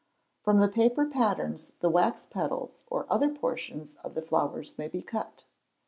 From the paper patterns the wax petals or other portions of the flowers may be cut.